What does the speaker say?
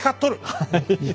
はい。